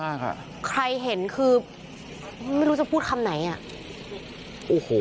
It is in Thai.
เค้าบอกใครเห็นคือไม่รู้จะพูดคำไหนอะ